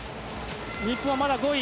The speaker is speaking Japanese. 日本はまだ５位。